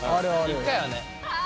一回はね。